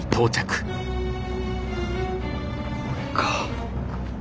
これか。